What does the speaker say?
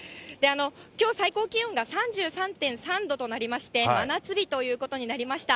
きょう最高気温が３３．３度となりまして、真夏日ということになりました。